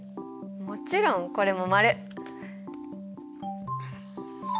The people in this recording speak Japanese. もちろんこれも○！